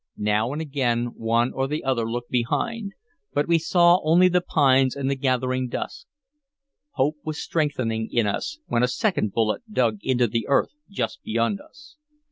Now and again one or the other looked behind, but we saw only the pines and the gathering dusk. Hope was strengthening in us, when a second bullet dug into the earth just beyond us.